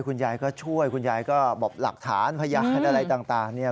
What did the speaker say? คุณยายก็ช่วยคุณยายก็บอกหลักฐานพยานอะไรต่างเนี่ย